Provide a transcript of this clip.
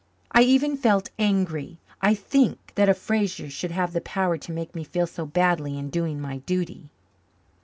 I even felt angry, I think, that a Fraser should have the power to make me feel so badly in doing my duty.